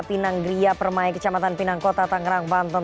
pinanggeria permai kecamatan pinangkota tangerang banten